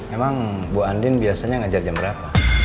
emang bu andin biasanya ngajar jam berapa